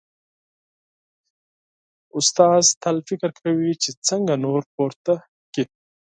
استاد تل فکر کوي چې څنګه نور پورته کړي.